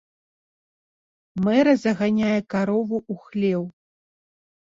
Мэра заганяе карову ў хлеў.